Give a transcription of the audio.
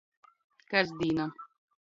Kasdīna.